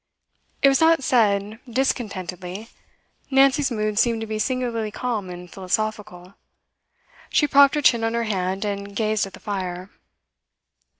It was not said discontentedly; Nancy's mood seemed to be singularly calm and philosophical. She propped her chin on her hand, and gazed at the fire.